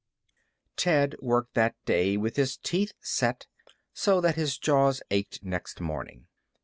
Ted worked that day with his teeth set so that his jaws ached next morning.